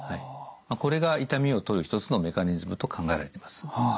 これが痛みを取る一つのメカニズムと考えられています。